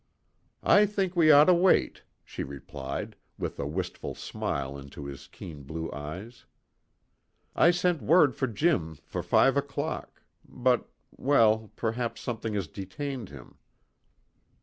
"I think we ought to wait," she replied, with a wistful smile into his keen blue eyes. "I sent word to Jim for five o'clock but well, perhaps something has detained him."